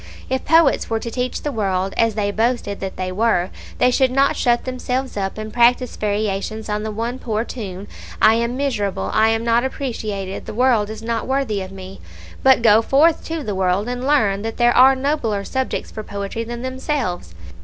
If poets were to teach the world, as they boasted that they were, they should not shut themselves up, and practise variations on the one poor tune, "I am miserable; I am not appreciated; the world is not worthy of me;" but go forth to the world and learn that there are nobler subjects for poetry than themselves.